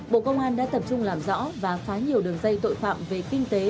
bộ công an đã tập trung làm rõ và phá nhiều đường dây tội phạm về kinh tế